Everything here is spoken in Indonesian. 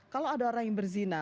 kalau ada orang yang berzina